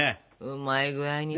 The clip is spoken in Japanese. うまい具合に。